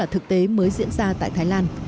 thế mới diễn ra tại thái lan